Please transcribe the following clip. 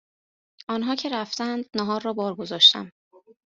آنها که رفتند ناهار را بار گذاشتم